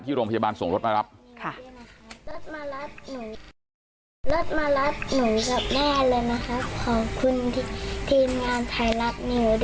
ที่โรงพยาบาลส่งรถมารับค่ะรถมารับหนูรถมารับหนูกับแม่เลยนะครับ